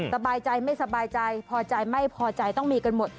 สบายใจไม่สบายใจพอใจไม่พอใจต้องมีกันหมด